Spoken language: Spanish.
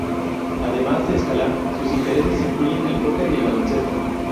Además de escalar, sus intereses incluyen el poker y el baloncesto.